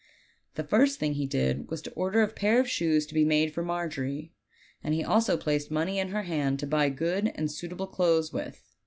The very first thing he did was to order a pair of shoes to be made for Margery, and he also placed money in her hand to buy good and suitable clothes with.